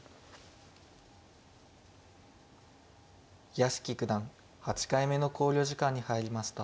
屋敷九段８回目の考慮時間に入りました。